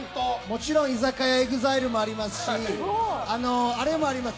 もちろん居酒屋ＥＸＩＬＥもありますしあれもあります。